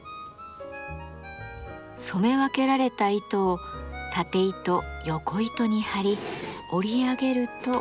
染め分けられた糸をたて糸よこ糸に張り織り上げると。